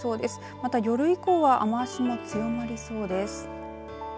また、夜以降は雨足も強まりそうです。